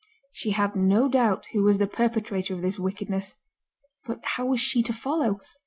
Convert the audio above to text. She had no doubt who was the perpetrator of this wickedness; but how was she to follow?